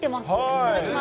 いただきます。